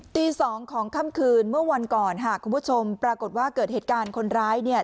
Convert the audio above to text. ตีสองของค่ำคืนเมื่อวันก่อนค่ะคุณผู้ชมปรากฏว่าเกิดเหตุการณ์คนร้ายเนี่ย